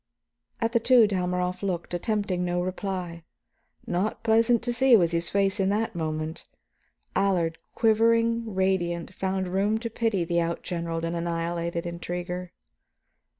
At the two Dalmorov looked, attempting no reply. Not pleasant to see was his face in that moment. Allard, quivering, radiant, found room to pity the outgeneraled and annihilated intriguer.